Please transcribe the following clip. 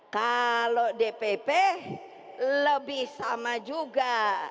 kalau dpp lebih sama juga